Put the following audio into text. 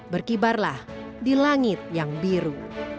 berkibarlah di langit yang biru